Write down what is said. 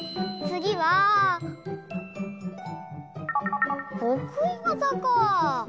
つぎはとくいわざか。